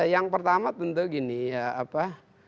yang pertama tentu gini ya apa